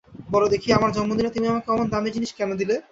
বলো দেখি, আমার জন্মদিনে তুমি আমাকে অমন দামী জিনিস কেন দিলে।